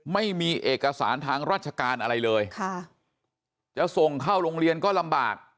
ไม่มีเอกสารทางราชการอะไรเลยค่ะจะส่งเข้าโรงเรียนก็ลำบาก